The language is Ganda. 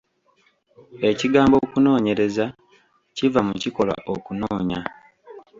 Ekigambo okunoonyereza kiva mu kikolwa okunoonya.